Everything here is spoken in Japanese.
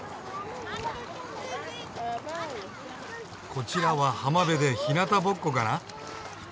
こちらは浜辺でひなたぼっこかな？